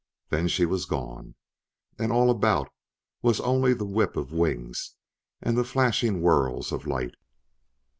Then she was gone, and all about was only the whip of wings and the flashing whirls of light.